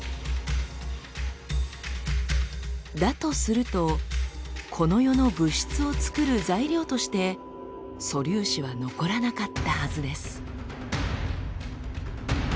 だとするとこの世の物質を作る材料として素粒子は残らなかったはずです。